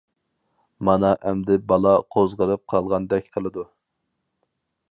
مانا ئەمدى بالا قوزغىلىپ قالغاندەك قىلىدۇ.